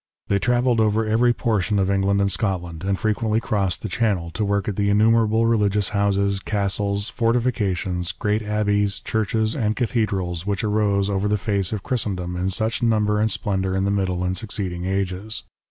They travelled over every portion of England and Scotland, and frequently crossed the Channel, to work at the innumerable religious houses, castles, fortifications, great abbeys, churches and cathedrals which arose over the face of Christendom in such number and splendour in the middle and succeeding ages.